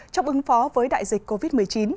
trong ứng phó với đại dịch covid một mươi chín